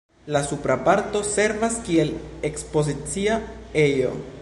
La supra parto servas kiel ekspozicia ejo.